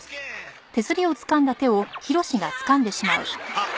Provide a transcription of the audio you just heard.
あっ。